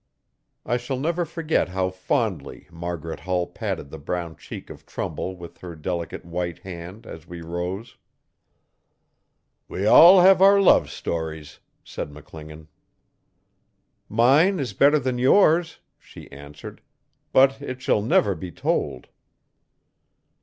I shall never forget how fondly Margaret Hull patted the brown cheek of Trumbull with her delicate white band, as we rose. 'We all have our love stawries,' said McClingan. 'Mine is better than yours,' she answered, 'but it shall never be told.'